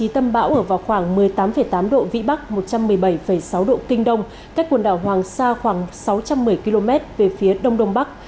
tâm bão ở vào khoảng một mươi tám tám độ vĩ bắc một trăm một mươi bảy sáu độ kinh đông cách quần đảo hoàng sa khoảng sáu trăm một mươi km về phía đông đông bắc